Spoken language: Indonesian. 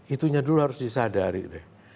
itunya dulu harus disadari deh